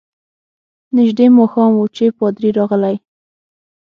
نژدې ماښام وو چي پادري راغلی.